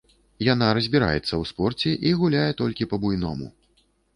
Яна разбіраецца ў спорце і гуляе толькі па-буйному.